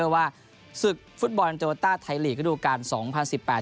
ว่าศึกฟุตบอลอันเจอร์วอตต้าไทยลีกก็ดูกันสองพันสิบแปด